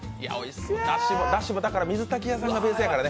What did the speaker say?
だしも水炊き屋さんがベースやからね。